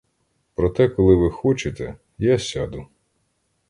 Проте, коли ви хочете, я сяду.